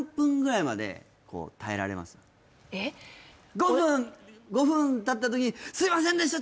５分５分たった時に「すいませんでした！」